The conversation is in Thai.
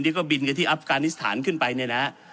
ก็บินกันที่อัฟกานิสถานขึ้นไปเนี่ยนะฮะ